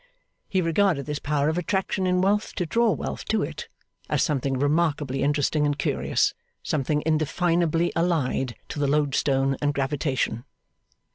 He regarded this power of attraction in wealth to draw wealth to it, as something remarkably interesting and curious something indefinably allied to the loadstone and gravitation.